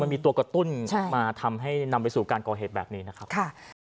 มันมีตัวกระตุ้นมาทำให้นำไปสู่การก่อเหตุแบบนี้นะครับ